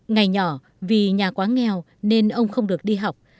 ngày nhỏ vì nhà quá nghèo nên ông không được đi học